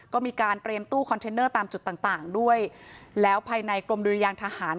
ก็มีการเตรียมตู้คอนเทนเนอร์ตามจุดต่างต่างด้วยแล้วภายในกรมดุรยางทหาร